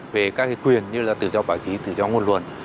về các quyền như là tự do báo chí tự do ngôn luận